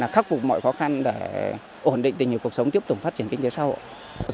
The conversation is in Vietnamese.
khắc phục mọi khó khăn để ổn định tình hình cuộc sống tiếp tục phát triển kinh tế xã hội